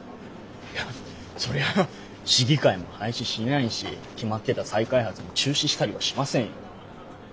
いやそりゃ市議会も廃止しないし決まってた再開発も中止したりはしませんよ。